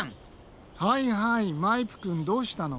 はいはいマイプくんどうしたの？